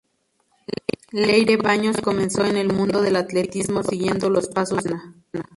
Leire Baños comenzó en el mundo del atletismo siguiendo los pasos de su hermana.